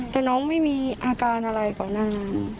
แต่น้องไม่มีอาการอะไรก่อนหน้านั้น